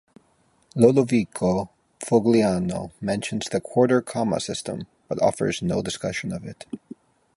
Lodovico Fogliano mentions the quarter-comma system, but offers no discussion of it.